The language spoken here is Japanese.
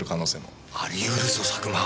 ありうるぞ佐久間。